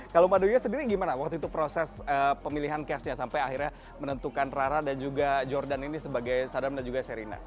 kalau mbak doya sendiri gimana waktu itu proses pemilihan cashnya sampai akhirnya menentukan rara dan juga jordan ini sebagai sadam dan juga serina